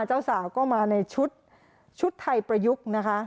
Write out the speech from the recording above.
เจ้าสาวก็มาในชุดชุดไทยประยุกต์นะคะ